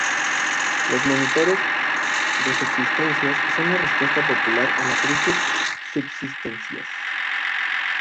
Los motines de subsistencias son la respuesta popular a la crisis de subsistencias.